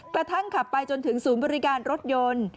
กระทั่งขับไปจนถึงศูนย์บริการรถยนต์